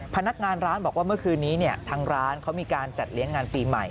พนักงานร้านบอกว่าเมื่อคืนนี้ทางร้านเขามีการจัดเลี้ยงงานปีใหม่